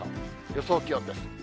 予想気温です。